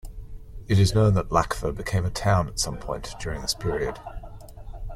It is known that Lakhva became a town at some point during this period.